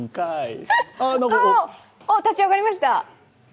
立ち上がりました。